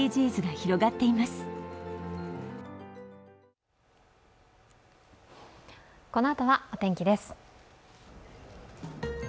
ここからはお天気です。